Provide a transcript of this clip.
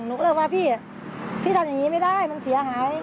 เริ่มว่าพี่พี่ทำอย่างนี้ไม่ได้มันเสียหาย